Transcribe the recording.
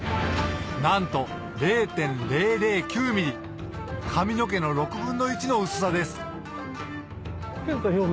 なんと０．００９ｍｍ髪の毛の６分の１の薄さです